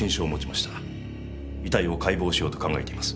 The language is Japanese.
遺体を解剖しようと考えています。